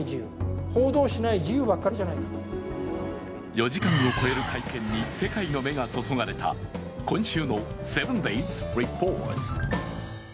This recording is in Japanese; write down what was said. ４時間を超える会見に世界の目が注がれた今週の「７ｄａｙｓリポート」。